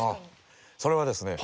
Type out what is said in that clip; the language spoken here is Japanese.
それはですね